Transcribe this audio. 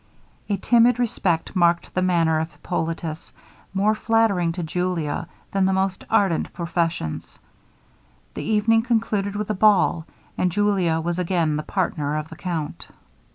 A timid respect marked the manner of Hippolitus, more flattering to Julia than the most ardent professions. The evening concluded with a ball, and Julia was again the partner of the count.